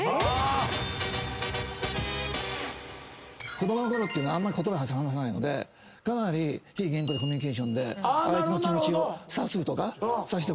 子供のころっていうのはあんまり言葉話さないのでかなり非言語コミュニケーションで相手の気持ち察するとか察してもらうとか。